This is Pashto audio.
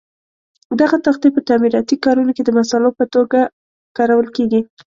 دغه تختې په تعمیراتي کارونو کې د مسالو په توګه کارول کېږي.